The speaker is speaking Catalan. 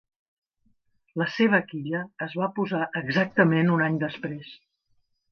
La seva quilla es va posar exactament un any després.